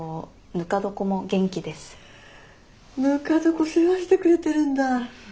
ぬか床世話してくれてるんだ。